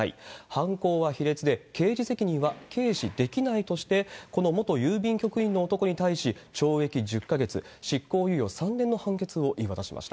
犯行は卑劣で、刑事責任は軽視できないとして、この元郵便局員の男に対し、懲役１０か月、執行猶予３年の判決を言い渡しました。